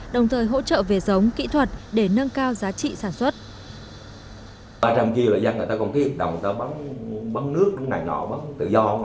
đồng thời hỗ trợ về giống kỹ thuật để nâng cao giá trị sản xuất